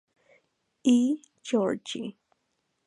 E. Georgi.